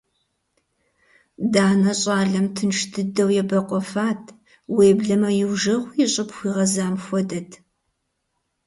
Данэ щӀалэм тынш дыдэу ебэкъуэфат, уеблэмэ иужэгъуу и щӀыб хуигъэзам хуэдэт.